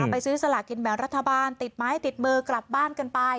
ไปซื้อสลากินแบ่งรัฐบาลติดไม้ติดมือกลับบ้านกันไป